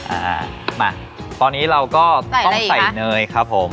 อ่ามาตอนนี้เราก็ใส่อะไรอีกคะต้องใส่เนยครับผม